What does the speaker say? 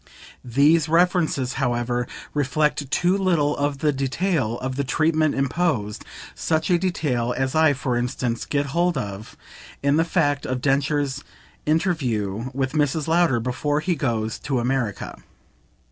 These references, however, reflect too little of the detail of the treatment imposed; such a detail as I for instance get hold of in the fact of Densher's interview with Mrs. Lowder before he goes to America.